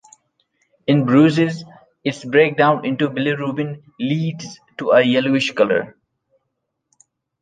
In bruises, its breakdown into bilirubin leads to a yellowish color.